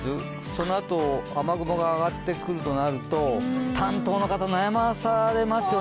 そのあと雨雲が上がってくるとなると担当の方、悩まされますよね。